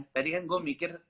tadi kan gue mikir